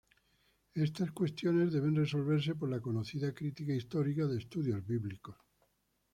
Estas cuestiones deben resolverse por la conocida Crítica histórica de estudios bíblicos.